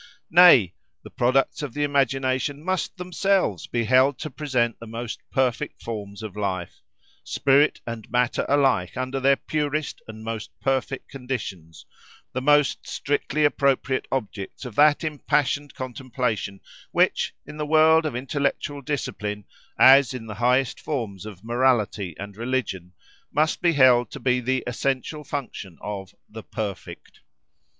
Nay! the products of the imagination must themselves be held to present the most perfect forms of life—spirit and matter alike under their purest and most perfect conditions—the most strictly appropriate objects of that impassioned contemplation, which, in the world of intellectual discipline, as in the highest forms of morality and religion, must be held to be the essential function of the "perfect."